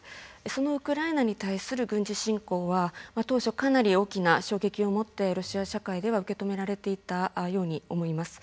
そのウクライナに対する軍事侵攻は当初かなり大きな衝撃を持ってロシア社会では受け止められていたように思います。